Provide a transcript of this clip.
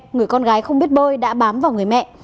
người con gái không biết bơi đã bám vào người mẹ